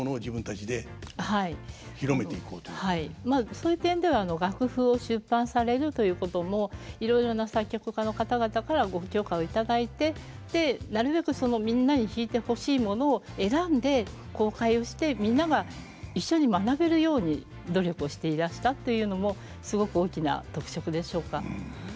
まあそういう点では楽譜を出版されるということもいろいろな作曲家の方々からご許可を頂いてなるべくみんなに弾いてほしいものを選んで公開をしてみんなが一緒に学べるように努力をしていらしたというのもすごく大きな特色でしょうか。